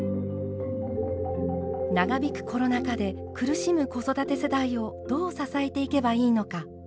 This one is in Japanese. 長引くコロナ禍で苦しむ子育て世代をどう支えていけばいいのか。